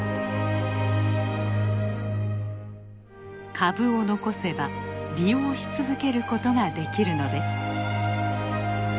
株を残せば利用し続けることができるのです。